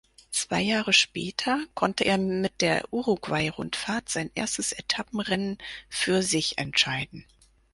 Zwei Jahre später konnte er mit der Uruguay-Rundfahrt sein erstes Etappenrennen für sich entscheiden.